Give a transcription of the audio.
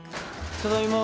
ただいま。